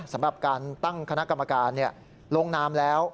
สำหรับการตั้งคณะกรรมการลงนามแล้ว